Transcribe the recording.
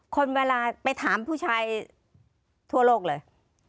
คนเวลาไปถามผู้ชายทั่วโลกเลย